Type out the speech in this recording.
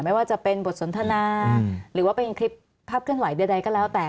ไม่ว่าจะเป็นบทสนทนาหรือว่าเป็นคลิปภาพเคลื่อนไหวใดก็แล้วแต่